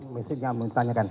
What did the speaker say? mesin yang minta tanya kan